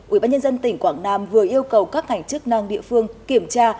ubnd tỉnh quảng nam vừa yêu cầu các ngành chức năng địa phương kiểm tra